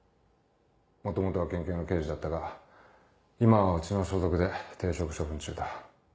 元々は県警の刑事だったが今はうちの所属で停職処分中だ。